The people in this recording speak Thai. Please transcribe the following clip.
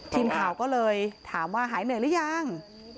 ทีมข่าวก็เลยถามว่าหายเหนื่อยหรือยัง